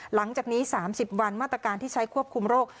หลังจากนี้๓๐วันมาตรการที่ใช้ควบคุมโรค